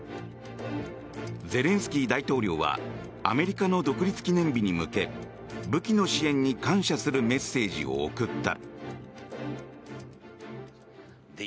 ゼレンスキー大統領はアメリカの独立記念日に向け武器の支援に感謝するメッセージを送った。